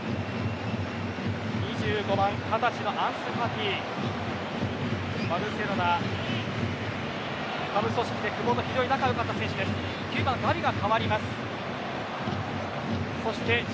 ２５番２０歳のアンス・ファティバルセロナ下部組織で久保と非常に仲が良かった選手てす。